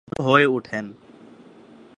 তখন থেকেই তিনি বিখ্যাত হয়ে উঠেন।